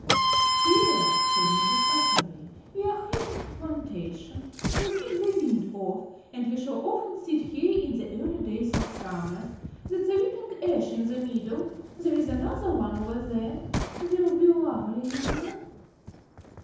"Here," said Mrs. Atherley, "we are having a plantation. It will keep the wind off; and we shall often sit here in the early days of summer. That's a weeping ash in the middle. There's another one over there. They'll be lovely, you know."